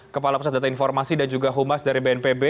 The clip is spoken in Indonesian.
kepala pusat data informasi dan juga humas dari bnpb